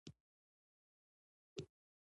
ملي اهدافو ته لومړیتوب ورکول مهم دي